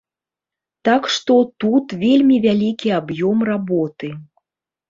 Так што, тут вельмі вялікі аб'ём работы.